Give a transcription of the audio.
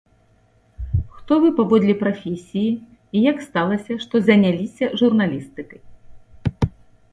Хто вы паводле прафесіі і як сталася, што заняліся журналістыкай?